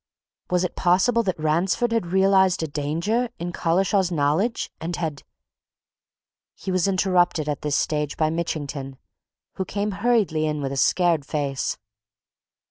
Was it possible that Ransford had realized a danger in Collishaw's knowledge, and had He was interrupted at this stage by Mitchington, who came hurriedly in with a scared face.